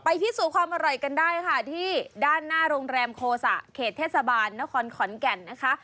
พิสูจน์ความอร่อยกันได้ค่ะที่ด้านหน้าโรงแรมโคสะเขตเทศบาลนครขอนแก่นนะคะ